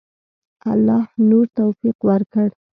الله نور توفیق ورکړه.